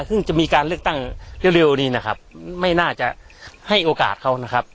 ซึ่งจะมีการเลือกตั้งเร็วนี้นะครับไม่น่าจะให้โอกาสเขานะครับ